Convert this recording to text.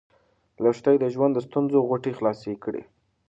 لښتې د ژوند د ستونزو غوټې خلاصې کړې.